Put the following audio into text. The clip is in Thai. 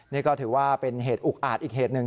นี่ก็ถือว่าเป็นเหตุอุกอาจอีกเหตุหนึ่ง